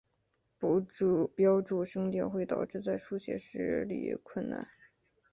不标注声调会导致在书写时理困难。